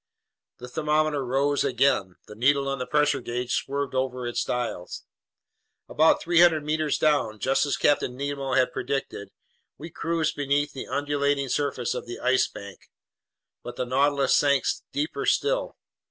The thermometer rose again. The needle on the pressure gauge swerved over its dial. About 300 meters down, just as Captain Nemo had predicted, we cruised beneath the undulating surface of the Ice Bank. But the Nautilus sank deeper still.